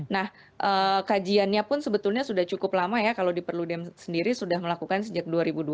nah kajiannya pun sebetulnya sudah cukup lama ya kalau di perludem sendiri sudah melakukan sejak dua ribu dua puluh